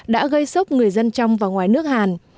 đã gây sốc người dân trong và ngoài nước hàn